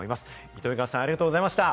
糸魚川さん、ありがとうございました。